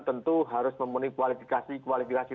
tentu harus memenuhi kualifikasi